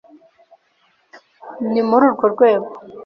Ni muri urwo rwego